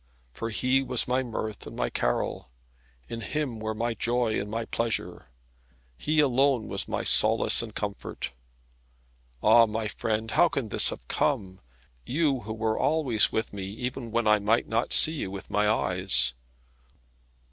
For he was my mirth and my carol; in him were my joy and my pleasure; he alone was my solace and comfort. Ah, my friend, how can this have come; you who were always with me, even when I might not see you with my eyes!